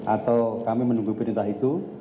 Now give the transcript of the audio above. atau kami menunggu perintah itu